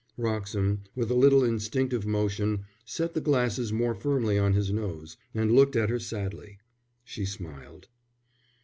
Wroxham, with a little instinctive motion, set the glasses more firmly on his nose, and looked at her sadly. She smiled.